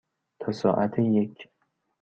تا ساعت یک.